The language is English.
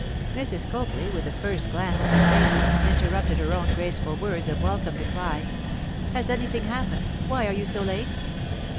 Mrs. Copley, with the first glance at their faces, interrupted her own graceful words of welcome to cry: 'Has anything happened? Why are you so late?